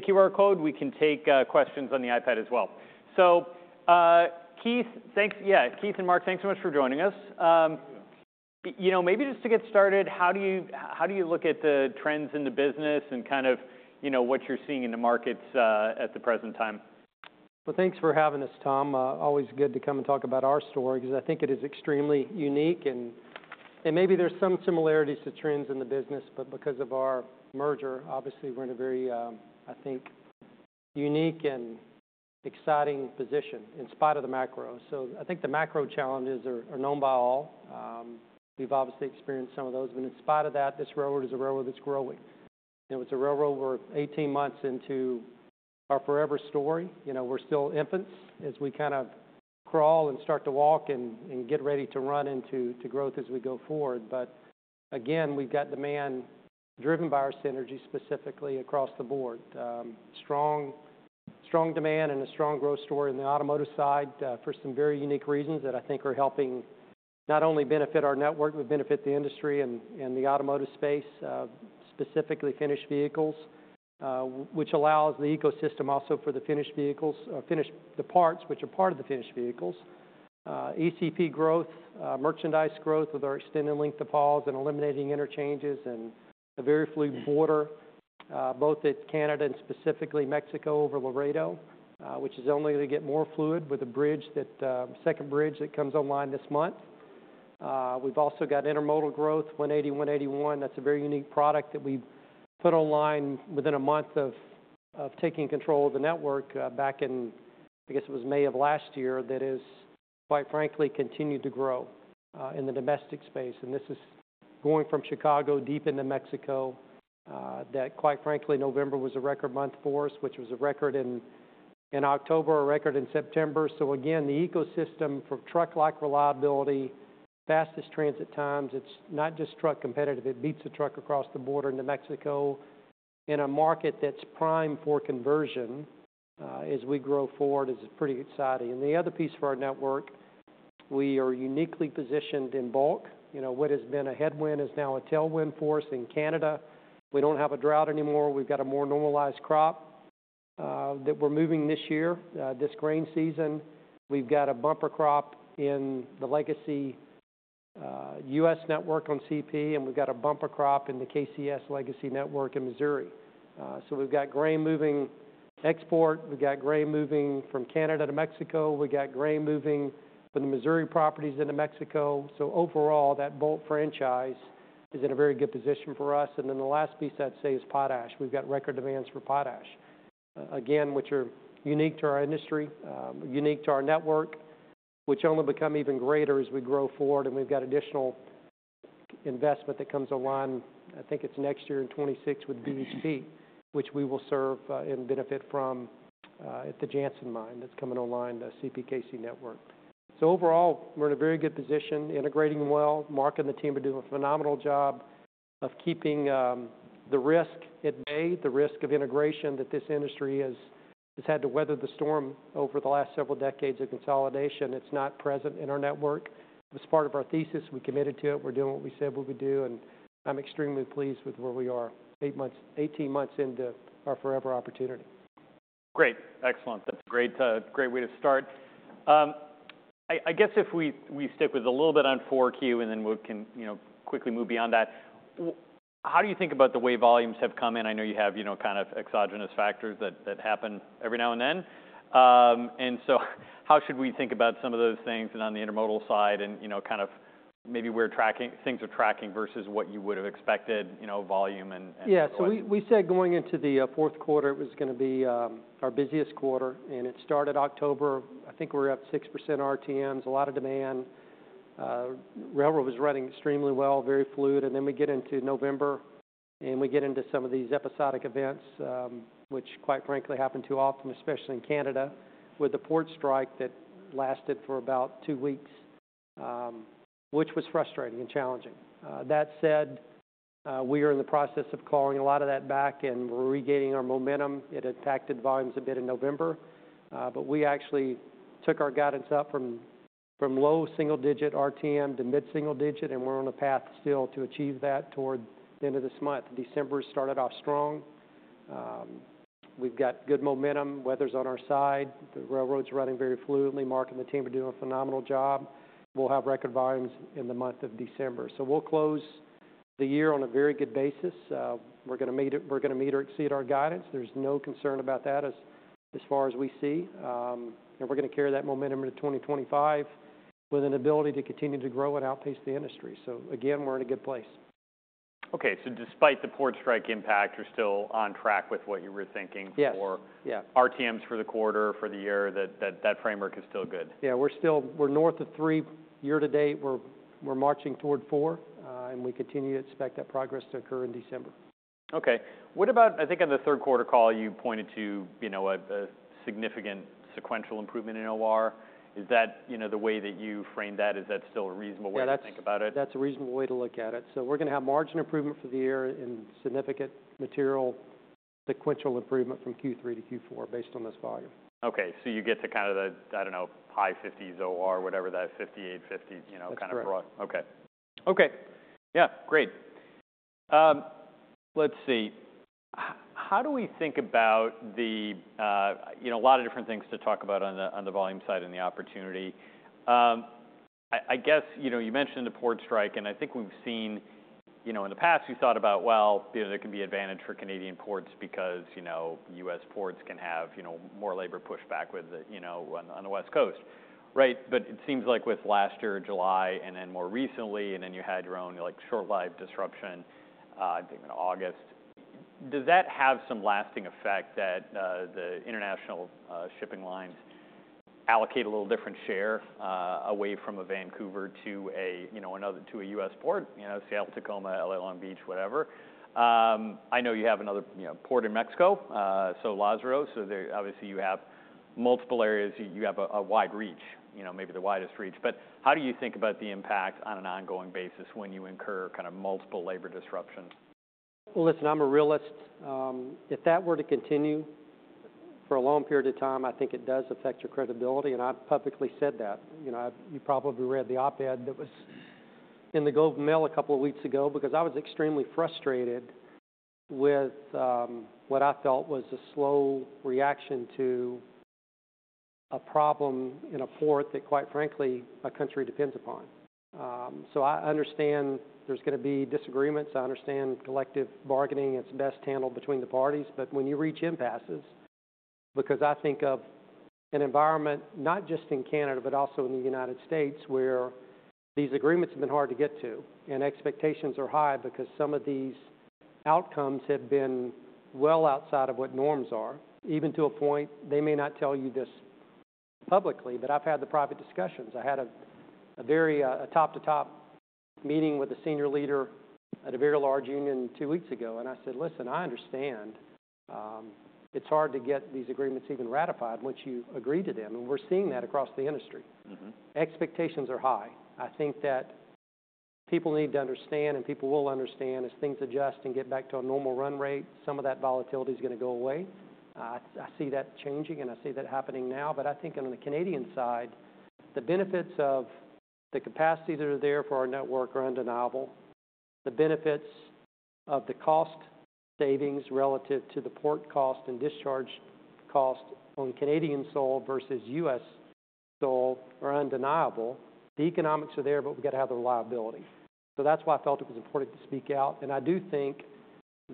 QR code. We can take questions on the iPad as well. So Keith, thanks, yeah, Keith and Mark, thanks so much for joining us. Thank you. You know, maybe just to get started, how do you look at the trends in the business and kind of what you're seeing in the markets at the present time? Well, thanks for having us, Tom. Always good to come and talk about our story because I think it is extremely unique. And maybe there's some similarities to trends in the business, but because of our merger, obviously we're in a very, I think, unique and exciting position in spite of the macro. So I think the macro challenges are known by all. We've obviously experienced some of those. But in spite of that, this railroad is a railroad that's growing. It's a railroad we're 18 months into our forever story. We're still infants as we kind of crawl and start to walk and get ready to run into growth as we go forward. But again, we've got demand driven by our synergy specifically across the board. Strong demand and a strong growth story on the automotive side for some very unique reasons that I think are helping not only benefit our network, but benefit the industry and the automotive space, specifically finished vehicles, which allows the ecosystem also for the finished vehicles or finished parts, which are part of the finished vehicles. ECP growth, merchandise growth with our extended length of hauls and eliminating interchanges and a very fluid border, both at Canada and specifically Mexico over Laredo, which is only going to get more fluid with a bridge, the second bridge that comes online this month. We've also got intermodal growth, 180, 181. That's a very unique product that we put online within a month of taking control of the network back in, I guess it was May of last year that has, quite frankly, continued to grow in the domestic space. And this is going from Chicago deep into Mexico. That, quite frankly, November was a record month for us, which was a record in October or a record in September. So again, the ecosystem for truck-like reliability, fastest transit times. It's not just truck competitive. It beats the truck across the border into Mexico in a market that's primed for conversion as we grow forward is pretty exciting. And the other piece for our network, we are uniquely positioned in bulk. What has been a headwind is now a tailwind for us in Canada. We don't have a drought anymore. We've got a more normalized crop that we're moving this year, this grain season. We've got a bumper crop in the legacy US network on CP, and we've got a bumper crop in the KCS legacy network in Missouri. So we've got grain moving export. We've got grain moving from Canada to Mexico. We've got grain moving from the Missouri properties into Mexico. So overall, that bulk franchise is in a very good position for us. And then the last piece I'd say is potash. We've got record demands for potash, again, which are unique to our industry, unique to our network, which only become even greater as we grow forward. And we've got additional investment that comes online. I think it's next year in 2026 with BHP, which we will serve and benefit from at the Jansen mine that's coming online, the CPKC network. So overall, we're in a very good position, integrating well, Mark and the team are doing a phenomenal job of keeping the risk at bay, the risk of integration that this industry has had to weather the storm over the last several decades of consolidation. It's not present in our network. It was part of our thesis. We committed to it. We're doing what we said we would do, and I'm extremely pleased with where we are 18 months into our forever opportunity. Great. Excellent. That's a great way to start. I guess if we stick with a little bit on 4Q and then we can quickly move beyond that, how do you think about the way volumes have come in? I know you have kind of exogenous factors that happen every now and then, and so how should we think about some of those things on the intermodal side and kind of maybe where things are tracking versus what you would have expected, volume and volume? Yeah. So we said going into the fourth quarter, it was going to be our busiest quarter. And it started October. I think we're up 6% RTMs, a lot of demand. Railroad was running extremely well, very fluid. And then we get into November and we get into some of these episodic events, which quite frankly happen too often, especially in Canada with the port strike that lasted for about two weeks, which was frustrating and challenging. That said, we are in the process of calling a lot of that back and we're regaining our momentum. It impacted volumes a bit in November. But we actually took our guidance up from low single-digit RTM to mid-single digit. And we're on a path still to achieve that toward the end of this month. December started off strong. We've got good momentum. Weather's on our side. The railroad's running very fluidly. Mark and the team are doing a phenomenal job. We'll have record volumes in the month of December, so we'll close the year on a very good basis. We're going to meet or exceed our guidance. There's no concern about that as far as we see, and we're going to carry that momentum into 2025 with an ability to continue to grow and outpace the industry, so again, we're in a good place. Okay, so despite the port strike impact, you're still on track with what you were thinking for RTMs for the quarter, for the year, that framework is still good? Yeah. We're north of three year-to-date. We're marching toward four, and we continue to expect that progress to occur in December. Okay. I think on the third quarter call, you pointed to a significant sequential improvement in OR. Is that the way that you framed that? Is that still a reasonable way to think about it? Yeah. That's a reasonable way to look at it. So we're going to have margin improvement for the year and significant material sequential improvement from Q3 to Q4 based on this volume. Okay. So you get to kind of the, I don't know, high 50s OR, whatever that 58, 50 kind of broad? That's correct. Okay. Okay. Yeah. Great. Let's see. How do we think about the, a lot of different things to talk about on the volume side and the opportunity. I guess you mentioned the port strike. And I think we've seen in the past, we thought about, well, there can be advantage for Canadian ports because US ports can have more labor pushback on the West Coast. Right? But it seems like with last year, July, and then more recently, and then you had your own short-lived disruption, I think in August, does that have some lasting effect that the international shipping lines allocate a little different share away from a Vancouver to a US port, Seattle, Tacoma, L.A., Long Beach, whatever? I know you have another port in Mexico, so Lázaro Cárdenas. So obviously, you have multiple areas. You have a wide reach, maybe the widest reach. But how do you think about the impact on an ongoing basis when you incur kind of multiple labor disruptions? Well, listen, I'm a realist. If that were to continue for a long period of time, I think it does affect your credibility. And I've publicly said that. You probably read the op-ed that was in the Globe and Mail a couple of weeks ago because I was extremely frustrated with what I felt was a slow reaction to a problem in a port that, quite frankly, a country depends upon. So I understand there's going to be disagreements. I understand collective bargaining is best handled between the parties. But when you reach impasses, because I think of an environment not just in Canada, but also in the United States where these agreements have been hard to get to and expectations are high because some of these outcomes have been well outside of what norms are, even to a point they may not tell you this publicly, but I've had the private discussions. I had a very top-to-top meeting with a senior leader at a very large union two weeks ago. And I said, "Listen, I understand. It's hard to get these agreements even ratified once you agree to them." And we're seeing that across the industry. Expectations are high. I think that people need to understand, and people will understand as things adjust and get back to a normal run rate, some of that volatility is going to go away. I see that changing, and I see that happening now, but I think on the Canadian side, the benefits of the capacity that are there for our network are undeniable. The benefits of the cost savings relative to the port cost and discharge cost on Canadian soil versus U.S. soil are undeniable. The economics are there, but we've got to have the reliability, so that's why I felt it was important to speak out, and I do think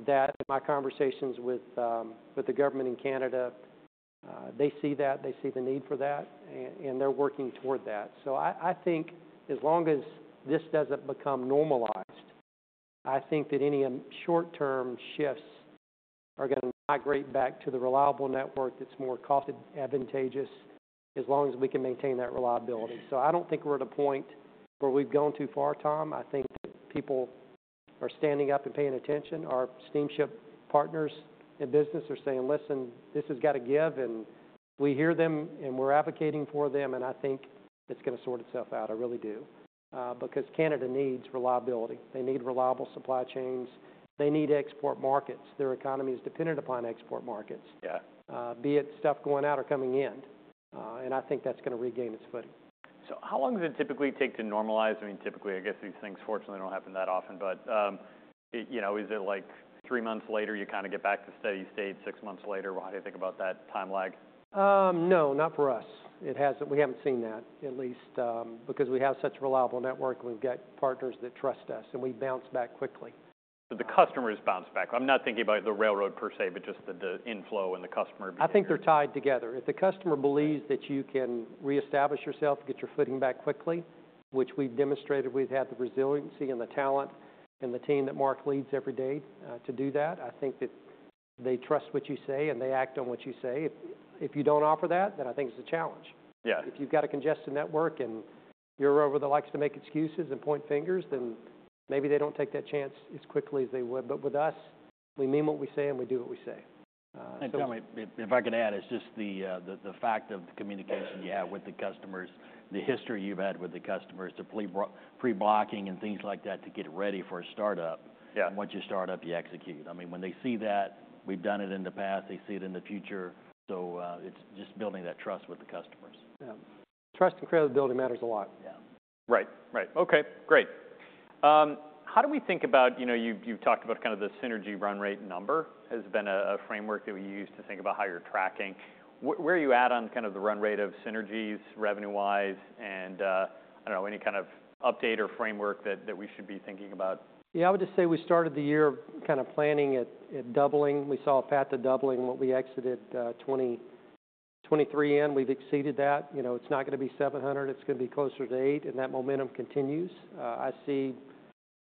that in my conversations with the government in Canada, they see that. They see the need for that, and they're working toward that, so I think as long as this doesn't become normalized, I think that any short-term shifts are going to migrate back to the reliable network that's more cost advantageous as long as we can maintain that reliability. So I don't think we're at a point where we've gone too far, Tom. I think that people are standing up and paying attention. Our steamship partners in business are saying, "Listen, this has got to give." And we hear them, and we're advocating for them. And I think it's going to sort itself out. I really do. Because Canada needs reliability. They need reliable supply chains. They need export markets. Their economy is dependent upon export markets, be it stuff going out or coming in. And I think that's going to regain its footing. So how long does it typically take to normalize? I mean, typically, I guess these things, fortunately, don't happen that often. But is it like three months later, you kind of get back to steady state six months later? How do you think about that time lag? No, not for us. We haven't seen that, at least, because we have such a reliable network. We've got partners that trust us, and we bounce back quickly. So the customers bounce back. I'm not thinking about the railroad per se, but just the inflow and the customer behavior. I think they're tied together. If the customer believes that you can reestablish yourself, get your footing back quickly, which we've demonstrated we've had the resiliency and the talent and the team that Mark leads every day to do that, I think that they trust what you say and they act on what you say. If you don't offer that, then I think it's a challenge. If you've got a congested network and you're overly likely to make excuses and point fingers, then maybe they don't take that chance as quickly as they would. But with us, we mean what we say, and we do what we say. And tell me, if I could add, it's just the fact of the communication you have with the customers, the history you've had with the customers, the pre-blocking and things like that to get ready for a startup. Once you start up, you execute. I mean, when they see that we've done it in the past, they see it in the future. So it's just building that trust with the customers. Yeah. Trust and credibility matters a lot. Yeah. Right. Right. Okay. Great. How do we think about? You've talked about kind of the synergy run rate number has been a framework that we use to think about how you're tracking. Where are you at on kind of the run rate of synergies revenue-wise? And I don't know, any kind of update or framework that we should be thinking about? Yeah. I would just say we started the year kind of planning at doubling. We saw a path to doubling when we exited 2023. We've exceeded that. It's not going to be 700. It's going to be closer to eight. And that momentum continues. I see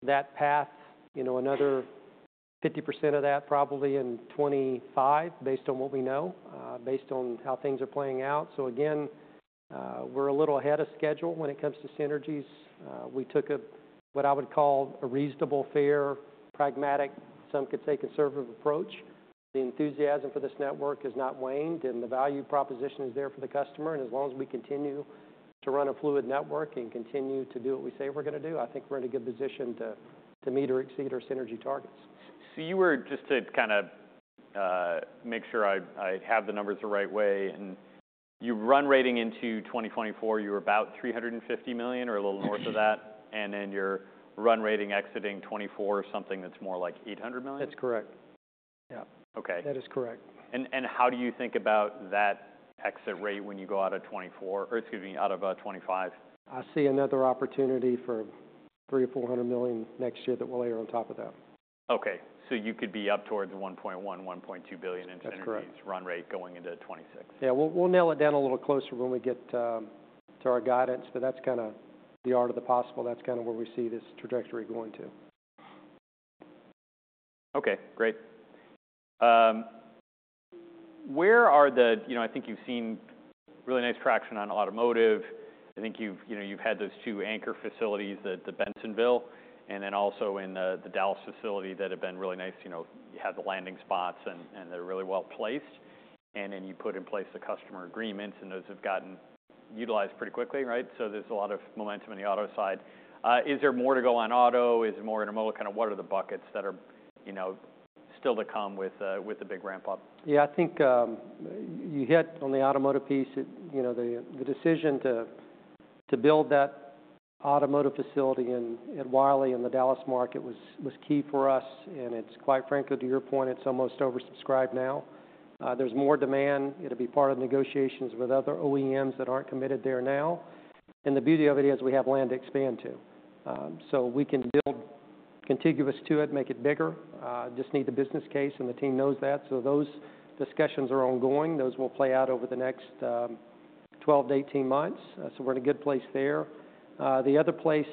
that path, another 50% of that probably in 2025 based on what we know, based on how things are playing out. So again, we're a little ahead of schedule when it comes to synergies. We took what I would call a reasonable, fair, pragmatic, some could say conservative approach. The enthusiasm for this network has not waned, and the value proposition is there for the customer. And as long as we continue to run a fluid network and continue to do what we say we're going to do, I think we're in a good position to meet or exceed our synergy targets. So you were, just to kind of make sure I have the numbers the right way, and your run rate into 2024, you were about $350 million or a little north of that. And then your run rate exiting 2024 or something that's more like $800 million? That's correct. Yeah. That is correct. And how do you think about that exit rate when you go out of 2024 or excuse me, out of 2025? I see another opportunity for $300 million or $400 million next year that we'll layer on top of that. Okay. So you could be up towards $1.1-$1.2 billion in synergies run rate going into 2026. Yeah. We'll nail it down a little closer when we get to our guidance. But that's kind of the art of the possible. That's kind of where we see this trajectory going to. Okay. Great. Where are the—I think you've seen really nice traction on automotive. I think you've had those two anchor facilities, the Bensenville, and then also in the Dallas facility that have been really nice. You have the landing spots, and they're really well placed. And then you put in place the customer agreements, and those have gotten utilized pretty quickly, right? So there's a lot of momentum in the auto side. Is there more to go on auto? Is it more intermodal? Kind of what are the buckets that are still to come with the big ramp-up? Yeah. I think you hit on the automotive piece. The decision to build that automotive facility in Wylie and the Dallas market was key for us. And quite frankly, to your point, it's almost oversubscribed now. There's more demand. It'll be part of negotiations with other OEMs that aren't committed there now. And the beauty of it is we have land to expand to. So we can build contiguous to it, make it bigger. Just need the business case, and the team knows that. So those discussions are ongoing. Those will play out over the next 12 to 18 months. So we're in a good place there. The other place,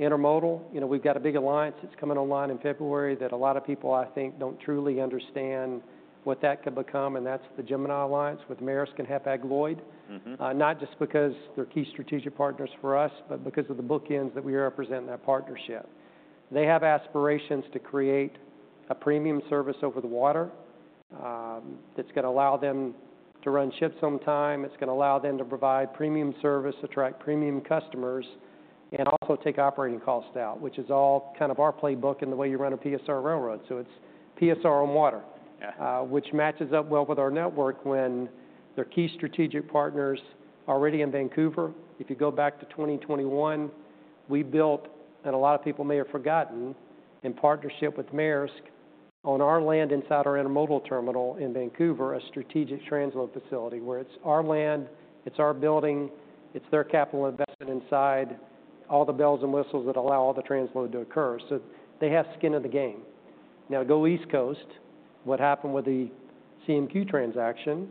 intermodal, we've got a big alliance that's coming online in February that a lot of people, I think, don't truly understand what that could become. And that's the Gemini Alliance with Maersk and Hapag-Lloyd, not just because they're key strategic partners for us, but because of the bookends that we represent in that partnership. They have aspirations to create a premium service over the water that's going to allow them to run ships on time. It's going to allow them to provide premium service, attract premium customers, and also take operating costs out, which is all kind of our playbook and the way you run a PSR railroad. So it's PSR on water, which matches up well with our network when they're key strategic partners already in Vancouver. If you go back to 2021, we built, and a lot of people may have forgotten, in partnership with Maersk on our land inside our intermodal terminal in Vancouver, a strategic transload facility where it's our land, it's our building, it's their capital investment inside, all the bells and whistles that allow all the transload to occur. So they have skin in the game. Now, go East Coast. What happened with the CMQ transaction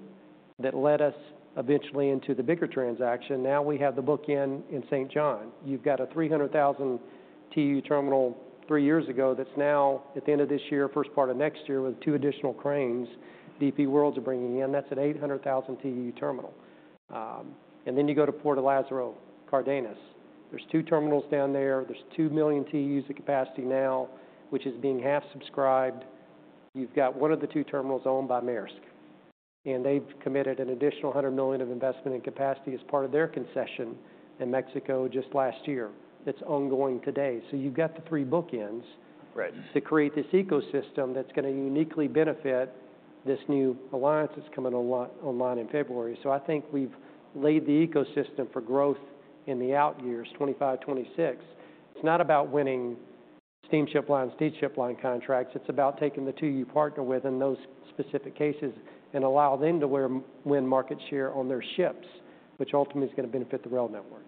that led us eventually into the bigger transaction? Now we have the bookend in Saint John. You've got a 300,000 TEU terminal three years ago that's now, at the end of this year, first part of next year with two additional cranes DP World are bringing in. That's an 800,000 TEU terminal. Then you go to Port of Lázaro Cárdenas. There's two terminals down there. There's two million TEUs of capacity now, which is being half subscribed. You've got one of the two terminals owned by Maersk. And they've committed an additional $100 million of investment in capacity as part of their concession in Mexico just last year. It's ongoing today. You've got the three bookends to create this ecosystem that's going to uniquely benefit this new alliance that's coming online in February. I think we've laid the ecosystem for growth in the out years, 2025, 2026. It's not about winning steamship line, steamship line contracts. It's about taking the two we partner with in those specific cases and allow them to win market share on their ships, which ultimately is going to benefit the rail network.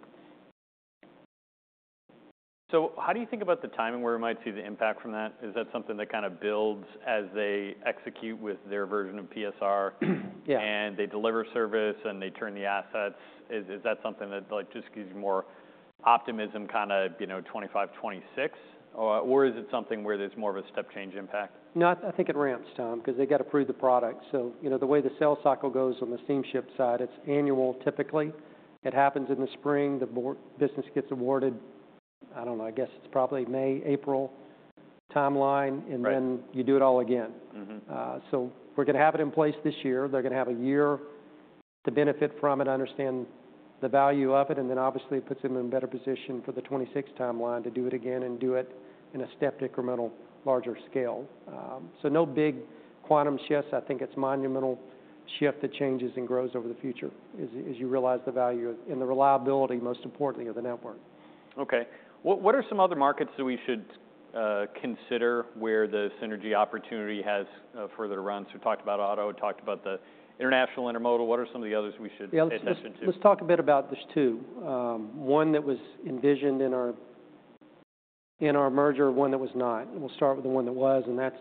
So how do you think about the timing where we might see the impact from that? Is that something that kind of builds as they execute with their version of PSR? And they deliver service, and they turn the assets. Is that something that just gives you more optimism kind of 2025, 2026? Or is it something where there's more of a step change impact? No. I think it ramps, Tom, because they got to prove the product. So the way the sales cycle goes on the steamship side, it's annual typically. It happens in the spring. The business gets awarded, I don't know, I guess it's probably May, April timeline. And then you do it all again. So we're going to have it in place this year. They're going to have a year to benefit from it, understand the value of it. And then, obviously, it puts them in a better position for the 2026 timeline to do it again and do it in a step incremental, larger scale. So no big quantum shifts. I think it's a monumental shift that changes and grows over the future as you realize the value and the reliability, most importantly, of the network. Okay. What are some other markets that we should consider where the synergy opportunity has further to run? So we talked about auto. We talked about the international intermodal. What are some of the others we should pay attention to? Let's talk a bit about those two. One that was envisioned in our merger, one that was not. We'll start with the one that was. And that's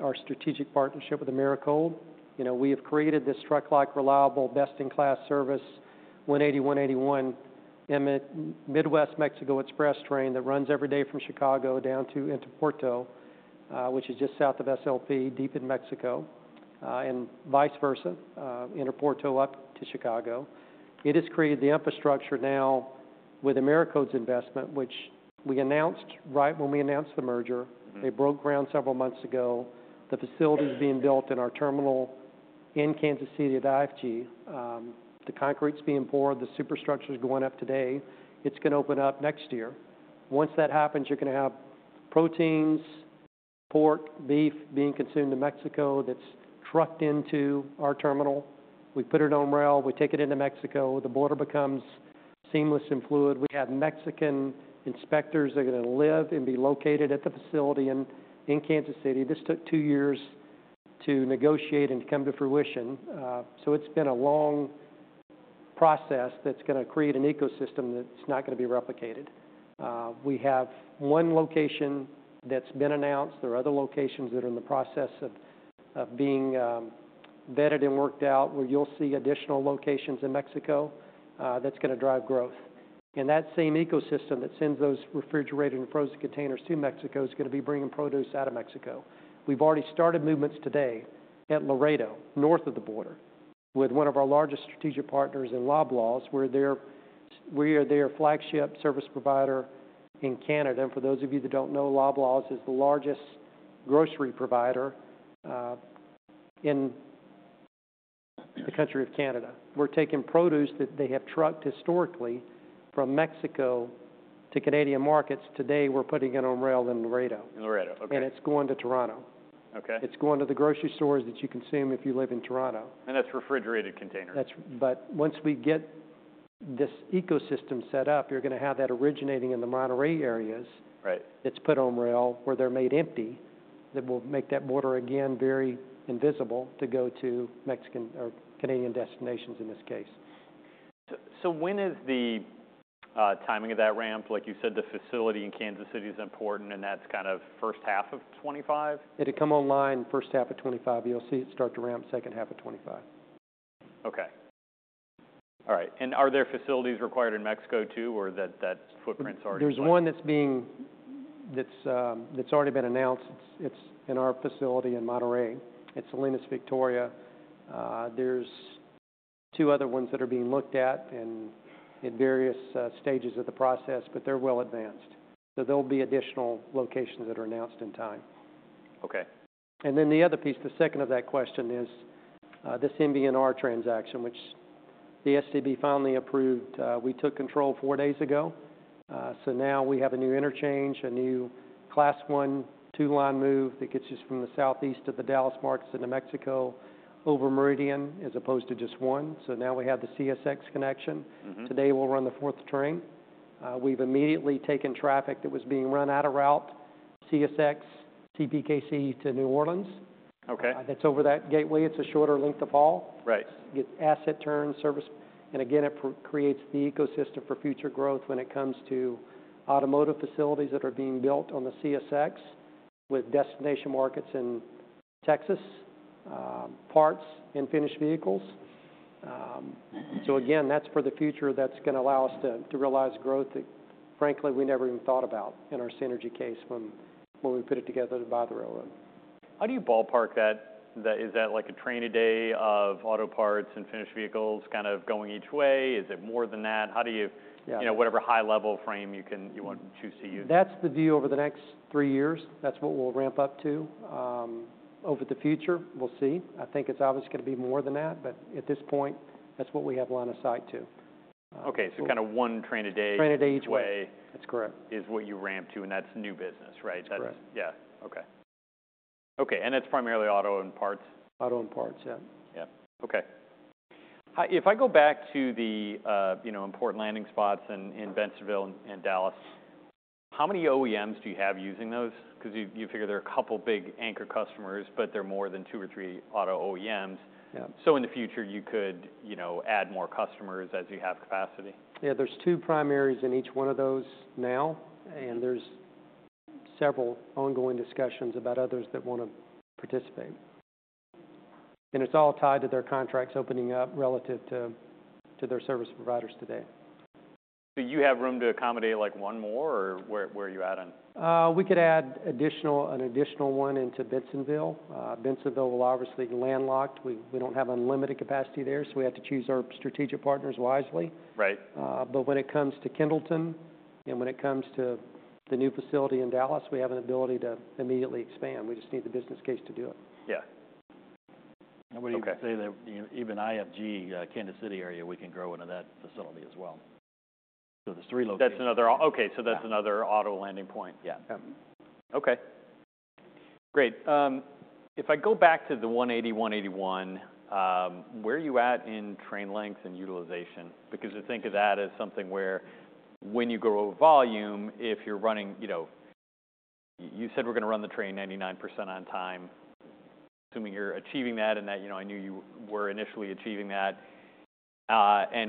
our strategic partnership with Americold. We have created this truck-like, reliable, best-in-class service 180, 181 Midwest Mexico Express train that runs every day from Chicago down to Interpuerto, which is just south of SLP, deep in Mexico, and vice versa, Interpuerto up to Chicago. It has created the infrastructure now with Americold's investment, which we announced right when we announced the merger. They broke ground several months ago. The facility is being built in our terminal in Kansas City at IFG. The concrete's being poured. The superstructure is going up today. It's going to open up next year. Once that happens, you're going to have proteins, pork, beef being consumed in Mexico that's trucked into our terminal. We put it on rail. We take it into Mexico. The border becomes seamless and fluid. We have Mexican inspectors that are going to live and be located at the facility in Kansas City. This took two years to negotiate and come to fruition. So it's been a long process that's going to create an ecosystem that's not going to be replicated. We have one location that's been announced. There are other locations that are in the process of being vetted and worked out where you'll see additional locations in Mexico that's going to drive growth. And that same ecosystem that sends those refrigerated and frozen containers to Mexico is going to be bringing produce out of Mexico. We've already started movements today at Laredo, north of the border, with one of our largest strategic partners in Loblaws, where they are the flagship service provider in Canada. For those of you that don't know, Loblaws is the largest grocery provider in the country of Canada. We're taking produce that they have trucked historically from Mexico to Canadian markets. Today, we're putting it on rail in Laredo. In Laredo. Okay. It's going to Toronto. It's going to the grocery stores that you consume if you live in Toronto. That's refrigerated containers. But once we get this ecosystem set up, you're going to have that originating in the Monterrey areas that's put on rail where they're made empty that will make that border again very invisible to go to Mexican or Canadian destinations in this case. So when is the timing of that ramp? Like you said, the facility in Kansas City is important, and that's kind of first half of 2025? It'll come online first half of 2025. You'll see it start to ramp second half of 2025. Okay. All right. And are there facilities required in Mexico too, or that footprint's already there? There's one that's already been announced. It's in our facility in Monterrey. It's Salinas Victoria. There are two other ones that are being looked at in various stages of the process, but they're well advanced. So there'll be additional locations that are announced in time. The other piece, the second of that question, is this MB&R transaction, which the STB finally approved. We took control four days ago. So now we have a new interchange, a new Class I, two-line move that gets us from the southeast of the Dallas markets into Mexico over Meridian as opposed to just one. So now we have the CSX connection. Today, we'll run the fourth train. We've immediately taken traffic that was being run out of route, CSX, CPKC to New Orleans. That's over that gateway. It's a shorter length of haul. Get asset turn service. And again, it creates the ecosystem for future growth when it comes to automotive facilities that are being built on the CSX with destination markets in Texas, parts, and finished vehicles. So again, that's for the future that's going to allow us to realize growth that, frankly, we never even thought about in our synergy case when we put it together to buy the railroad. How do you ballpark that? Is that like a train a day of auto parts and finished vehicles kind of going each way? Is it more than that? How do you, whatever high-level frame you want to choose to use? That's the view over the next three years. That's what we'll ramp up to over the future. We'll see. I think it's obviously going to be more than that, but at this point, that's what we have lined up too. Okay, so kind of one train a day. Train a day each way. That's correct. Is what you ramp to, and that's new business, right? That's correct. Yeah. Okay. Okay. And that's primarily auto and parts? Auto and parts, yeah. Yeah. Okay. If I go back to the important landing spots in Bensenville and Dallas, how many OEMs do you have using those? Because you figure there are a couple of big anchor customers, but they're more than two or three auto OEMs. So in the future, you could add more customers as you have capacity? Yeah. There's two primaries in each one of those now, and there's several ongoing discussions about others that want to participate, and it's all tied to their contracts opening up relative to their service providers today. So you have room to accommodate like one more, or where are you at on? We could add an additional one into Bensenville. Bensenville will obviously landlocked. We don't have unlimited capacity there, so we have to choose our strategic partners wisely. But when it comes to Kendleton and when it comes to the new facility in Dallas, we have an ability to immediately expand. We just need the business case to do it. Yeah. And what do you say that even IFG, Kansas City area, we can grow into that facility as well? So there's three locations. Okay. So that's another auto landing point. Yeah. Okay. Great. If I go back to the 180, 181, where are you at in train length and utilization? Because I think of that as something where when you grow volume, if you're running, you said we're going to run the train 99% on time, assuming you're achieving that and that I knew you were initially achieving that. And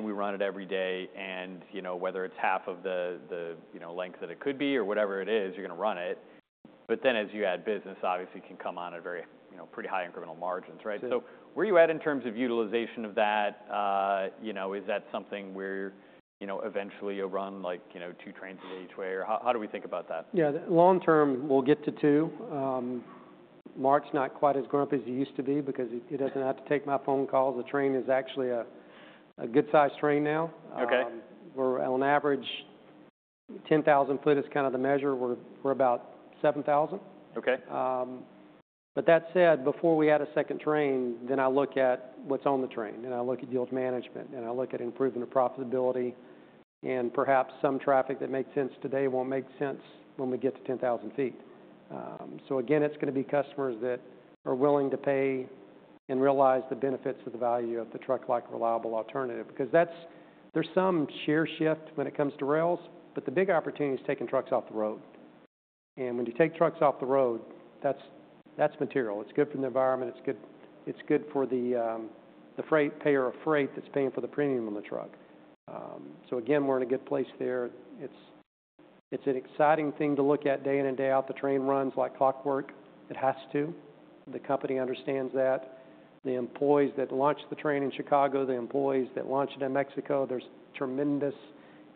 we run it every day. And whether it's half of the length that it could be or whatever it is, you're going to run it. But then as you add business, obviously, it can come on at pretty high incremental margins, right? So where are you at in terms of utilization of that? Is that something where eventually you'll run two trains each way? Or how do we think about that? Yeah. Long term, we'll get to two. Margin is not quite as grim as it used to be because it doesn't have to take my phone calls. The train is actually a good-sized train now. On average, 10,000 feet is kind of the measure. We're about 7,000. But that said, before we add a second train, I look at what's on the train, and I look at yield management, and I look at improving the profitability. Perhaps some traffic that makes sense today won't make sense when we get to 10,000 feet. So again, it's going to be customers that are willing to pay and realize the benefits of the value of the truck-like reliable alternative. Because there's some share shift when it comes to rails, but the big opportunity is taking trucks off the road. When you take trucks off the road, that's material. It's good for the environment. It's good for the freight payer of freight that's paying for the premium on the truck. So again, we're in a good place there. It's an exciting thing to look at day in and day out. The train runs like clockwork. It has to. The company understands that. The employees that launched the train in Chicago, the employees that launched it in Mexico, there's tremendous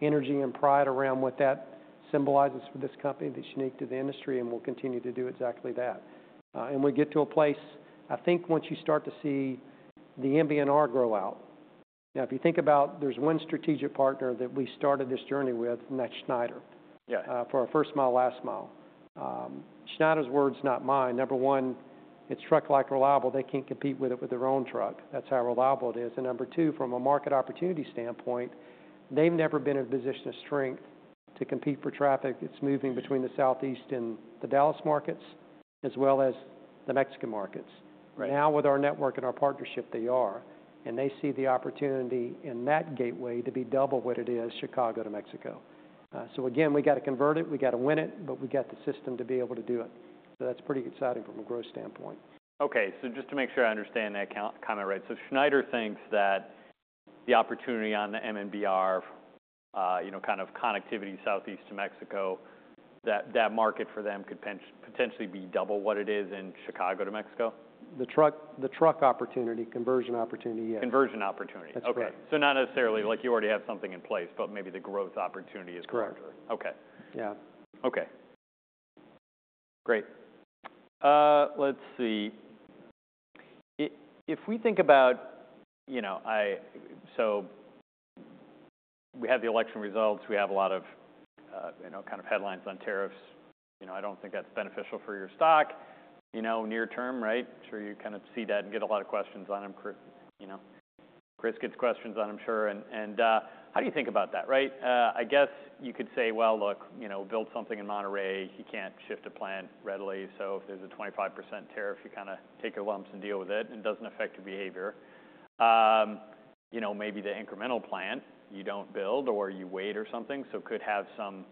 energy and pride around what that symbolizes for this company that's unique to the industry and will continue to do exactly that, and we get to a place, I think once you start to see the MB&R grow out. Now, if you think about there's one strategic partner that we started this journey with, and that's Schneider for our first mile, last mile. Schneider's words, not mine. Number one, it's truck-like reliable. They can't compete with it with their own truck. That's how reliable it is. And number two, from a market opportunity standpoint, they've never been in a position of strength to compete for traffic that's moving between the southeast and the Dallas markets as well as the Mexican markets. Now, with our network and our partnership, they are. And they see the opportunity in that gateway to be double what it is, Chicago to Mexico. So again, we got to convert it. We got to win it, but we got the system to be able to do it. So that's pretty exciting from a growth standpoint. Okay. So just to make sure I understand that comment right, so Schneider thinks that the opportunity on the M&B R, kind of connectivity southeast to Mexico, that market for them could potentially be double what it is in Chicago to Mexico? The truck opportunity, conversion opportunity, yes. Conversion opportunity. Okay. So not necessarily like you already have something in place, but maybe the growth opportunity is larger. Correct. Okay. Okay. Great. Let's see. If we think about so we have the election results. We have a lot of kind of headlines on tariffs. I don't think that's beneficial for your stock near term, right? I'm sure you kind of see that and get a lot of questions on him. Chris gets questions on him, sure. And how do you think about that, right? I guess you could say, "Well, look, build something in Monterrey. You can't shift a plant readily. So if there's a 25% tariff, you kind of take your lumps and deal with it, and it doesn't affect your behavior." Maybe the incremental plant, you don't build or you wait or something, so it could have some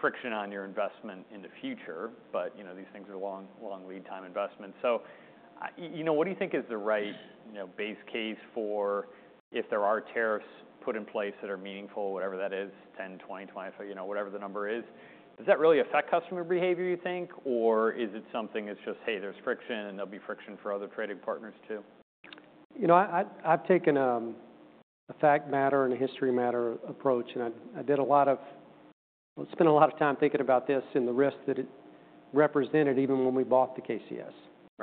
friction on your investment in the future, but these things are long lead-time investments. So what do you think is the right base case for if there are tariffs put in place that are meaningful, whatever that is, 10, 20, 25, whatever the number is? Does that really affect customer behavior, you think? Or is it something that's just, "Hey, there's friction, and there'll be friction for other trading partners too"? I've taken a fact matter and a history matter approach, and I spent a lot of time thinking about this and the risk that it represented even when we bought the KCS.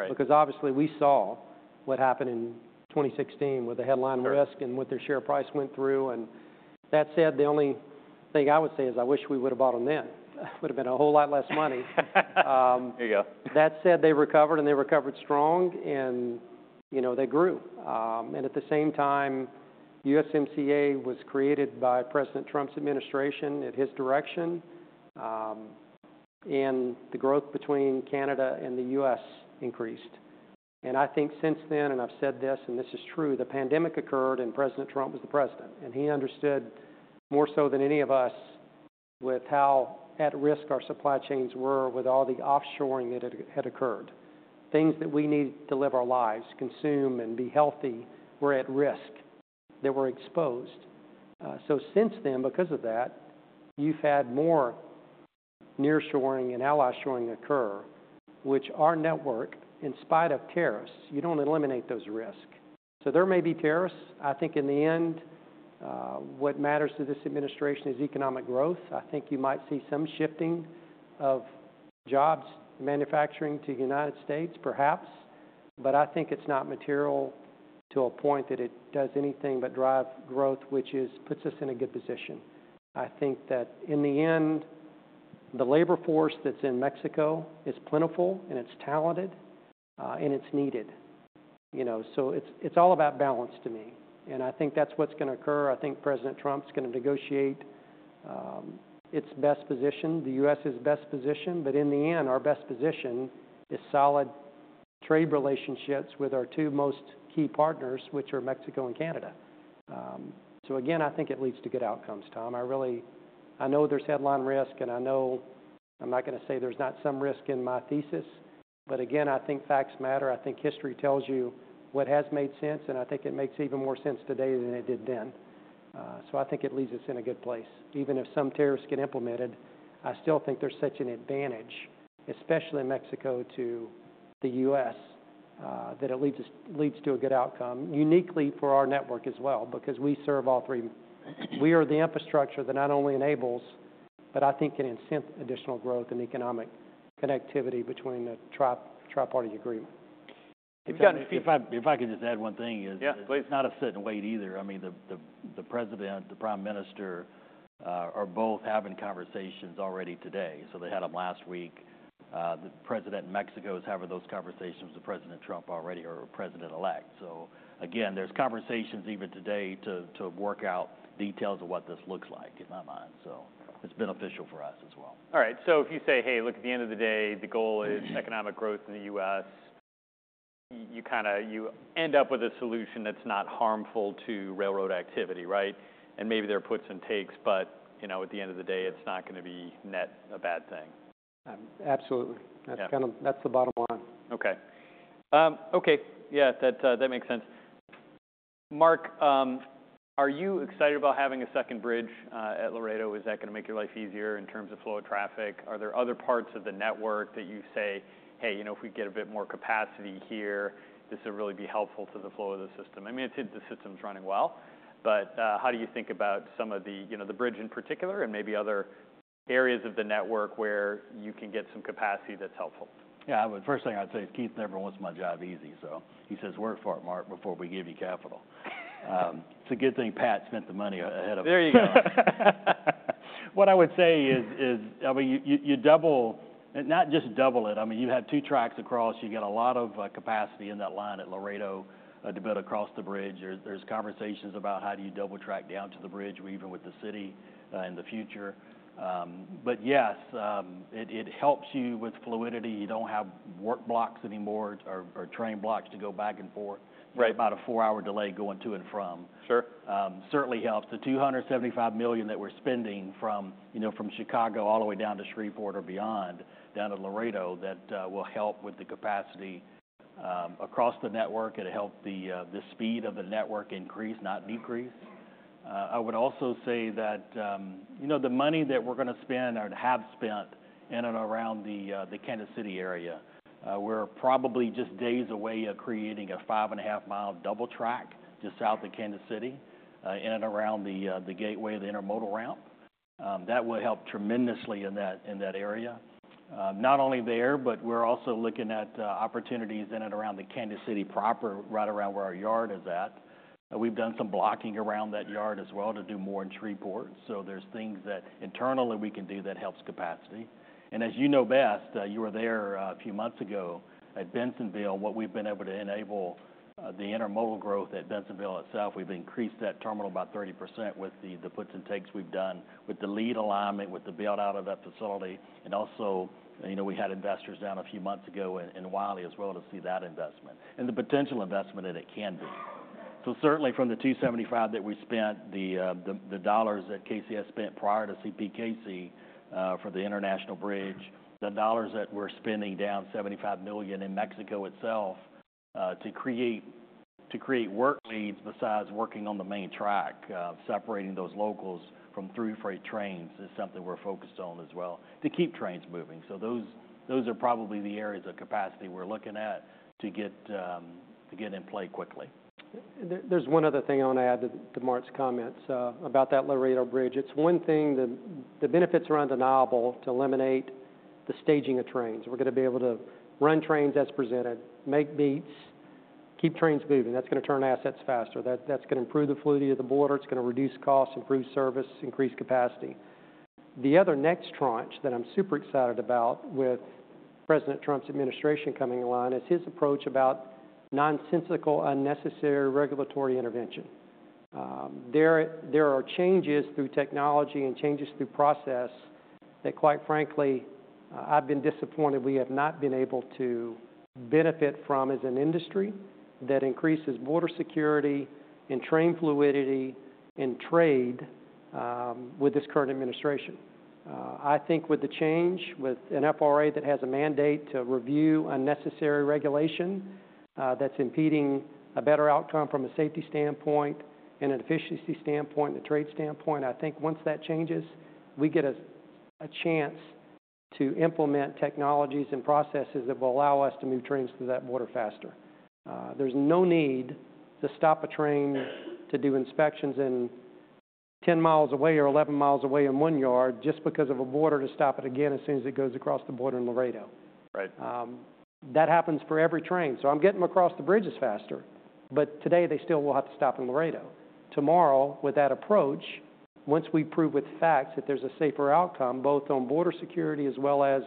Because obviously, we saw what happened in 2016 with the headline risk and what their share price went through. And that said, the only thing I would say is I wish we would have bought them then. It would have been a whole lot less money. There you go. That said, they recovered, and they recovered strong, and they grew. At the same time, USMCA was created by President Trump's administration at his direction, and the growth between Canada and the U.S. increased. I think since then, and I've said this, and this is true, the pandemic occurred, and President Trump was the president. He understood more so than any of us with how at risk our supply chains were with all the offshoring that had occurred. Things that we need to live our lives, consume, and be healthy were at risk. They were exposed. Since then, because of that, you've had more nearshoring and ally shoring occur, which our network, in spite of tariffs, you don't eliminate those risks. There may be tariffs. I think in the end, what matters to this administration is economic growth. I think you might see some shifting of jobs manufacturing to the United States, perhaps. But I think it's not material to a point that it does anything but drive growth, which puts us in a good position. I think that in the end, the labor force that's in Mexico is plentiful, and it's talented, and it's needed. So it's all about balance to me. And I think that's what's going to occur. I think President Trump's going to negotiate its best position, the U.S.'s best position. But in the end, our best position is solid trade relationships with our two most key partners, which are Mexico and Canada. So again, I think it leads to good outcomes, Tom. I know there's headline risk, and I know I'm not going to say there's not some risk in my thesis. But again, I think facts matter. I think history tells you what has made sense, and I think it makes even more sense today than it did then. So I think it leads us in a good place. Even if some tariffs get implemented, I still think there's such an advantage, especially in Mexico to the U.S., that it leads to a good outcome, uniquely for our network as well, because we serve all three. We are the infrastructure that not only enables, but I think can incent additional growth and economic connectivity between the triparty agreement. If I can just add one thing, it's not a sit-and-wait either. I mean, the President, the Prime Minister, are both having conversations already today. So they had them last week. The President in Mexico is having those conversations with President Trump already or a president-elect. So again, there's conversations even today to work out details of what this looks like in my mind. So it's beneficial for us as well. All right. So if you say, "Hey, look, at the end of the day, the goal is economic growth in the U.S.," you kind of end up with a solution that's not harmful to railroad activity, right? And maybe there are puts and takes, but at the end of the day, it's not going to be net a bad thing. Absolutely. That's the bottom line. Okay. Okay. Yeah. That makes sense. Mark, are you excited about having a second bridge at Laredo? Is that going to make your life easier in terms of flow of traffic? Are there other parts of the network that you say, "Hey, if we get a bit more capacity here, this will really be helpful to the flow of the system"? I mean, I'd say the system's running well. But how do you think about some of the bridge in particular and maybe other areas of the network where you can get some capacity that's helpful? Yeah. First thing I'd say is Keith never wants my job easy. So he says, "Work for it, Mark, before we give you capital." It's a good thing Pat spent the money ahead of us. There you go. What I would say is, I mean, you double not just double it. I mean, you have two tracks across. You get a lot of capacity in that line at Laredo to build across the bridge. There's conversations about how do you double track down to the bridge or even with the city in the future. But yes, it helps you with fluidity. You don't have work blocks anymore or train blocks to go back and forth. It's about a four-hour delay going to and from. Certainly helps. The $275 million that we're spending from Chicago all the way down to Shreveport or beyond down to Laredo, that will help with the capacity across the network. It'll help the speed of the network increase, not decrease. I would also say that the money that we're going to spend or have spent in and around the Kansas City area, we're probably just days away of creating a five-and-a-half-mile double track just south of Kansas City in and around the gateway, the intermodal ramp. That will help tremendously in that area. Not only there, but we're also looking at opportunities in and around the Kansas City proper, right around where our yard is at. We've done some blocking around that yard as well to do more in Shreveport. So there's things that internally we can do that helps capacity. And as you know best, you were there a few months ago at Bensenville. What we've been able to enable the intermodal growth at Bensenville itself, we've increased that terminal by 30% with the puts and takes we've done with the lead alignment, with the build-out of that facility. And also, we had investors down a few months ago in Wylie as well to see that investment and the potential investment that it can be. So certainly from the $275 million that we spent, the dollars that KCS spent prior to CPKC for the international bridge, the dollars that we're spending, down $75 million in Mexico itself to create work leads besides working on the main track, separating those locals from through freight trains is something we're focused on as well to keep trains moving. So those are probably the areas of capacity we're looking at to get in play quickly. There's one other thing I want to add to Mark's comments about that Laredo bridge. It's one thing, the benefits around are undeniable to eliminate the staging of trains. We're going to be able to run trains as presented, make beats, keep trains moving. That's going to turn assets faster. That's going to improve the fluidity of the border. It's going to reduce costs, improve service, increase capacity. The other next tranche that I'm super excited about with President Trump's administration coming along is his approach about nonsensical, unnecessary regulatory intervention. There are changes through technology and changes through process that, quite frankly, I've been disappointed we have not been able to benefit from as an industry that increases border security and train fluidity and trade with this current administration. I think with the change, with an FRA that has a mandate to review unnecessary regulation that's impeding a better outcome from a safety standpoint and an efficiency standpoint, the trade standpoint, I think once that changes, we get a chance to implement technologies and processes that will allow us to move trains through that border faster. There's no need to stop a train to do inspections 10 miles away or 11 miles away in one yard just because of a border, to stop it again as soon as it goes across the border in Laredo. That happens for every train, so I'm getting them across the bridges faster, but today, they still will have to stop in Laredo. Tomorrow, with that approach, once we prove with facts that there's a safer outcome both on border security as well as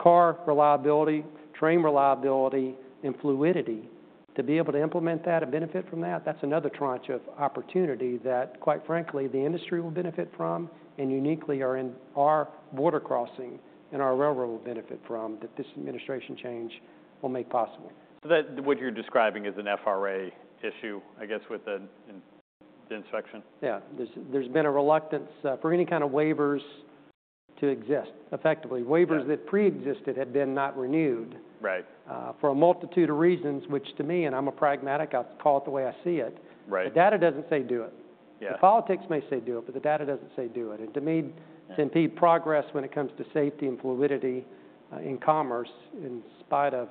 car reliability, train reliability, and fluidity to be able to implement that and benefit from that, that's another tranche of opportunity that, quite frankly, the industry will benefit from and uniquely our border crossing and our railroad will benefit from that this administration change will make possible. So what you're describing is an FRA issue, I guess, with the inspection? Yeah. There's been a reluctance for any kind of waivers to exist effectively. Waivers that pre-existed have been not renewed for a multitude of reasons, which to me, and I'm a pragmatic, I'll call it the way I see it. The data doesn't say do it. The politics may say do it, but the data doesn't say do it. And to me, to impede progress when it comes to safety and fluidity in commerce in spite of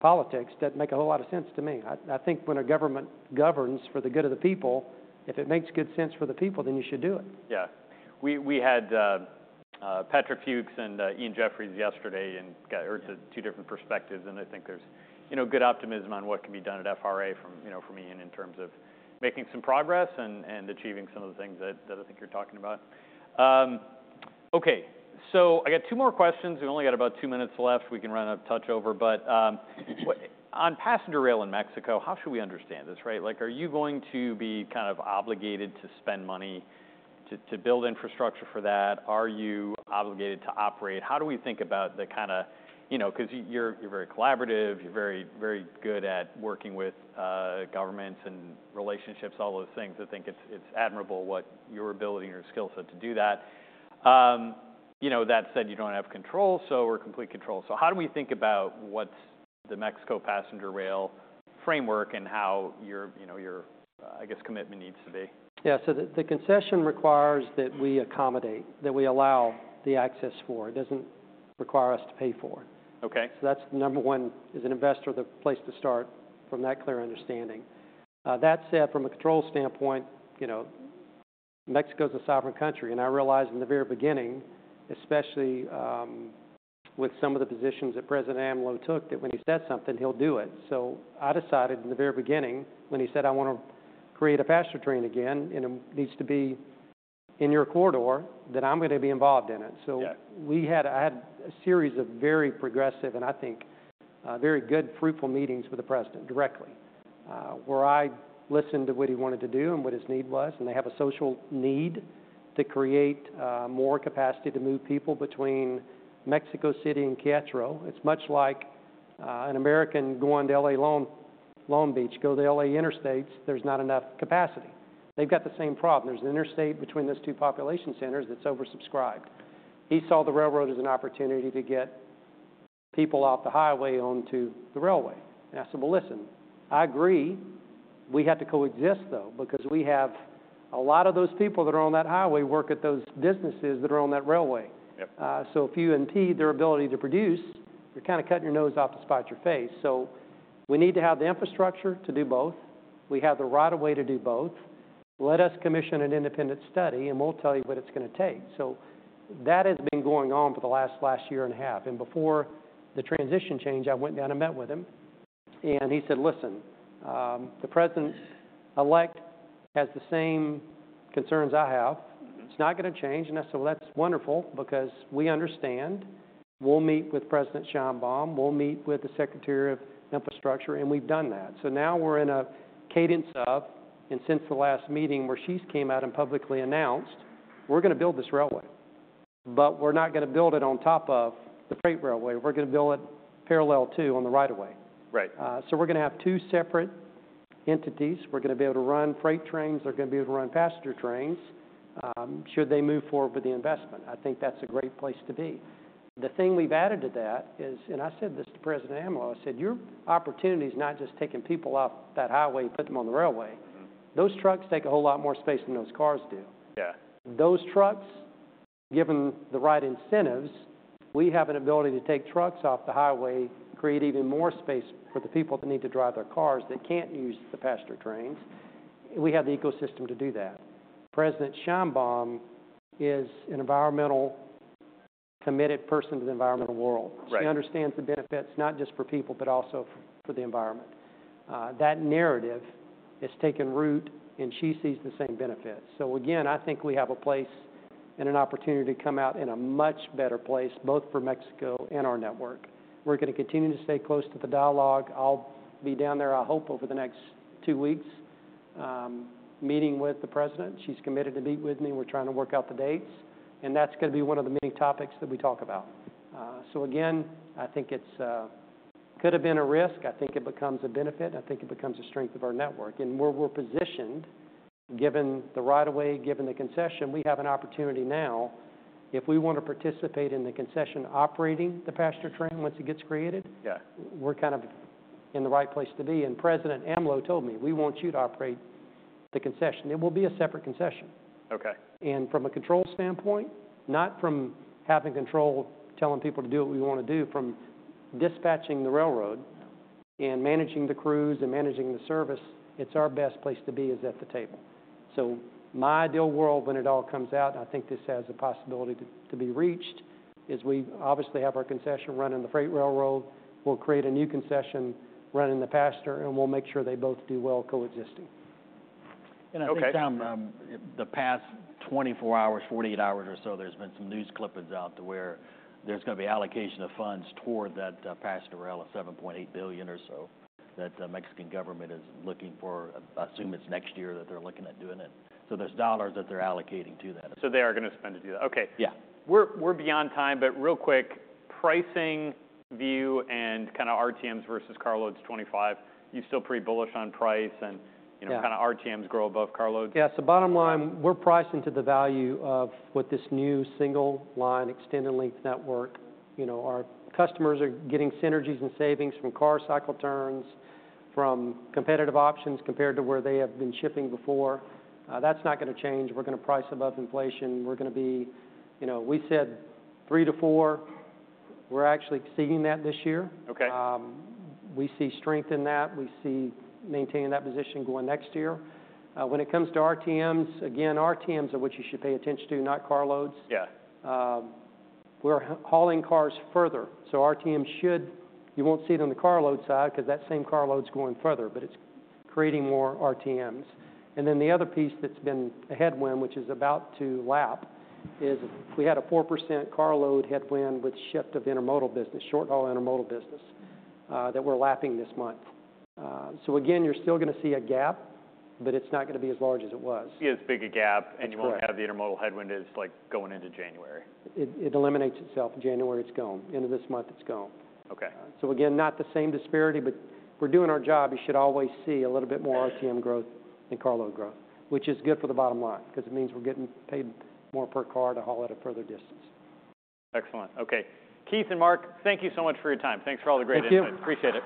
politics, that makes a whole lot of sense to me. I think when a government governs for the good of the people, if it makes good sense for the people, then you should do it. Yeah. We had Patrick Fuchs and Ian Jefferies yesterday and got two different perspectives, and I think there's good optimism on what can be done at FRA from Ian in terms of making some progress and achieving some of the things that I think you're talking about. Okay, so I got two more questions. We've only got about two minutes left. We can run a touch over, but on passenger rail in Mexico, how should we understand this, right? Are you going to be kind of obligated to spend money to build infrastructure for that? Are you obligated to operate? How do we think about the kind of, because you're very collaborative. You're very good at working with governments and relationships, all those things. I think it's admirable what your ability and your skill set to do that. That said, you don't have control, so or complete control. How do we think about what's the Mexico passenger rail framework and how your, I guess, commitment needs to be? Yeah. So the concession requires that we accommodate, that we allow the access for. It doesn't require us to pay for. So that's the number one as an investor, the place to start from that clear understanding. That said, from a control standpoint, Mexico is a sovereign country. And I realized in the very beginning, especially with some of the positions that President AMLO took, that when he says something, he'll do it. So I decided in the very beginning when he said, "I want to create a passenger train again, and it needs to be in your corridor," that I'm going to be involved in it. So I had a series of very progressive and I think very good, fruitful meetings with the president directly where I listened to what he wanted to do and what his need was. They have a social need to create more capacity to move people between Mexico City and Querétaro. It's much like an American going to LA Long Beach. Go to LA interstates. There's not enough capacity. They've got the same problem. There's an interstate between those two population centers that's oversubscribed. He saw the railroad as an opportunity to get people off the highway onto the railway. And I said, "Well, listen, I agree. We have to coexist, though, because we have a lot of those people that are on that highway work at those businesses that are on that railway. So if you impede their ability to produce, you're kind of cutting your nose off to spite your face. So we need to have the infrastructure to do both. We have the right-of-way to do both. Let us commission an independent study, and we'll tell you what it's going to take, so that has been going on for the last year and a half, and before the transition change, I went down and met with him. And he said, 'Listen, the president-elect has the same concerns I have. It's not going to change.' And I said, 'Well, that's wonderful because we understand. We'll meet with President Sheinbaum. We'll meet with the Secretary of Infrastructure.' And we've done that, so now we're in a cadence of, and since the last meeting where she came out and publicly announced, 'We're going to build this railway, but we're not going to build it on top of the freight railway. We're going to build it parallel to on the right-of-way.' So we're going to have two separate entities. We're going to be able to run freight trains. They're going to be able to run passenger trains should they move forward with the investment. I think that's a great place to be. The thing we've added to that is, and I said this to President AMLO, I said, "Your opportunity is not just taking people off that highway, put them on the railway. Those trucks take a whole lot more space than those cars do. Those trucks, given the right incentives, we have an ability to take trucks off the highway, create even more space for the people that need to drive their cars that can't use the passenger trains." We have the ecosystem to do that. President Sheinbaum is an environmental-committed person to the environmental world. She understands the benefits, not just for people, but also for the environment. That narrative has taken root, and she sees the same benefits. So again, I think we have a place and an opportunity to come out in a much better place, both for Mexico and our network. We're going to continue to stay close to the dialogue. I'll be down there, I hope, over the next two weeks, meeting with the President. She's committed to meet with me. We're trying to work out the dates. And that's going to be one of the many topics that we talk about. So again, I think it could have been a risk. I think it becomes a benefit. I think it becomes a strength of our network. And where we're positioned, given the right of way, given the concession, we have an opportunity now. If we want to participate in the concession operating the passenger train once it gets created, we're kind of in the right place to be. President AMLO told me, "We want you to operate the concession." It will be a separate concession. From a control standpoint, not from having control telling people to do what we want to do, from dispatching the railroad and managing the crews and managing the service, it's our best place to be is at the table. My ideal world when it all comes out, and I think this has a possibility to be reached, is we obviously have our concession running the freight railroad. We'll create a new concession running the passenger, and we'll make sure they both do well coexisting. I think the past 24 hours, 48 hours or so, there's been some news clippings out to where there's going to be allocation of funds toward that passenger rail, $7.8 billion or so that the Mexican government is looking for. I assume it's next year that they're looking at doing it. There's dollars that they're allocating to that. So they are going to spend to do that. Okay. Yeah. We're beyond time, but real quick, pricing view and kind of RTMs versus carloads 2025, you're still pretty bullish on price and kind of RTMs grow above carloads? Yeah. So bottom line, we're pricing to the value of what this new single line extended length network. Our customers are getting synergies and savings from car cycle turns, from competitive options compared to where they have been shipping before. That's not going to change. We're going to price above inflation. We're going to be we said 3%-4%. We're actually seeing that this year. We see strength in that. We see maintaining that position going next year. When it comes to RTMs, again, RTMs are what you should pay attention to, not carloads. We're hauling cars further. So RTMs, you won't see it on the car load side because that same carload's going further, but it's creating more RTMs. And then the other piece that's been a headwind, which is about to lap, is we had a 4% carload headwind with shift of intermodal business, short-haul intermodal business that we're lapping this month. So again, you're still going to see a gap, but it's not going to be as large as it was. It's a big gap, and you won't have the intermodal headwind as like going into January. It eliminates itself. In January, it's gone. End of this month, it's gone. So again, not the same disparity, but we're doing our job. You should always see a little bit more RTM growth and car load growth, which is good for the bottom line because it means we're getting paid more per car to haul at a further distance. Excellent. Okay. Keith and Mark, thank you so much for your time. Thanks for all the great input. Appreciate it.